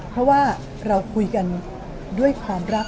เพราะว่าเราคุยกันด้วยความรัก